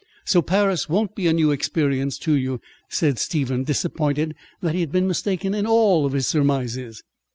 "So Paris won't be a new experience to you?" said Stephen, disappointed that he had been mistaken in all his surmises.